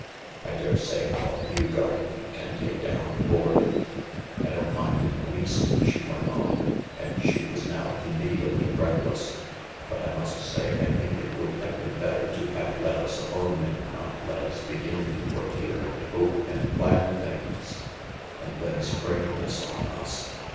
I daresay our new gardener can take down the board. I don't mind in the least," she went on, and she was now, indeed, a little breathless ;" but I must say I think it would have been better to have let us alone, and not let us begin to work here and hope and plan things, and then spring this on us."